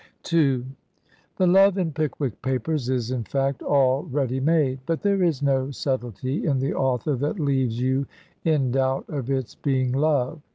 n The love in "Pickwick Papers" is, in fact, all ready made; but there is no subtlety in the author that leaves you in doubt of its being love.